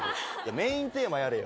メインテーマやれよ。